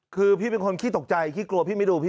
คือพี่เป็นคนขี้ตกใจขี้กลัวพี่ไม่ดูพี่